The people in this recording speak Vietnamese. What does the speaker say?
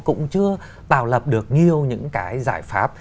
cũng chưa tạo lập được nhiều những cái giải pháp